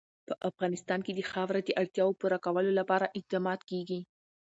په افغانستان کې د خاوره د اړتیاوو پوره کولو لپاره اقدامات کېږي.